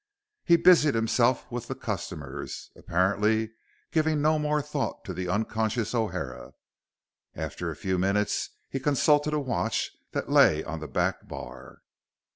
He busied himself with the customers, apparently giving no more thought to the unconscious O'Hara. After a few minutes, he consulted a watch that lay on the back bar.